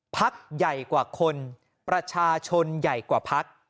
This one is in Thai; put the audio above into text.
พักใหญ่กว่าคนประชาชนใหญ่กว่าพัก